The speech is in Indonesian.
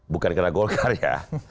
bukan kena golkar ya